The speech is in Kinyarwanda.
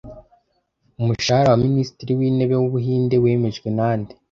Umushahara wa Minisitiri w’intebe w’Ubuhinde wemejwe nande